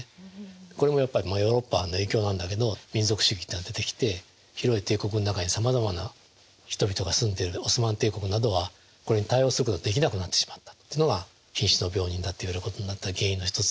これもやっぱりヨーロッパの影響なんだけど民族主義っていうのが出てきて広い帝国の中にさまざまな人々が住んでいるオスマン帝国などはこれに対応することができなくなってしまったっていうのが瀕死の病人だっていわれることになった原因の一つでしょうね。